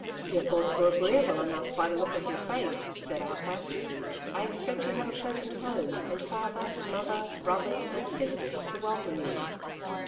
"Your thoughts were agreeable enough by the look of your face," said Arthur. ^'1 expect you have a pleasant home, and father, mother, brothers, and sisters to welcome you."